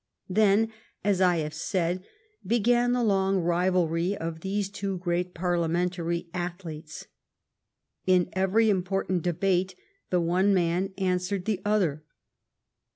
Then, as I have said, began the long rivalry of these two great Parliamentary athletes. In every important debate the one man answered the other.